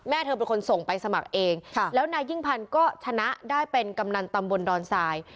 เธอเป็นคนส่งไปสมัครเองแล้วนายยิ่งพันธ์ก็ชนะได้เป็นกำนันตำบลดอนทราย